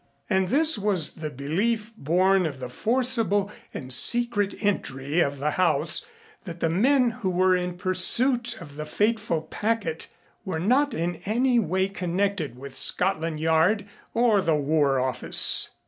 And this was the belief born of the forcible and secret entry of the house that the men who were in pursuit of the fateful packet were not in any way connected with Scotland Yard or the War Office.